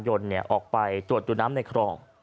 ออกไปตรวจดูน้ำในคลอง